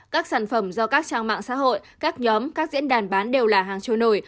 các sản phẩm do các trang mạng xã hội các nhóm các diễn đàn bán đều là hàng trôi nổi